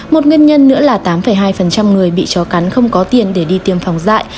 một nguyên nhân nữa là tám hai người bị chó cắn không có tiền để đi tiêm phòng dại